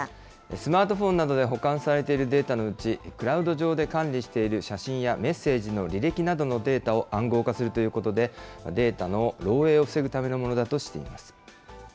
スマートフォンなどで保管されているデータのうち、クラウド上で管理している写真やメッセージの履歴などのデータを暗号化するということで、データの漏えいを防ぐためのものだとしています。